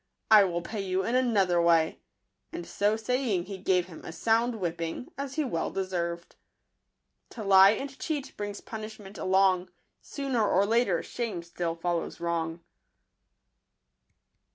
I will pay you in another way and so saying, he gave him a sound whipping, as he well de served. To lie and cheat brings punishment along ; Sooner or later shame still follows wrong.